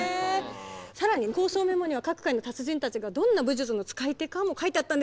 更に構想メモには各階の達人たちがどんな武術の使い手かも書いてあったんです。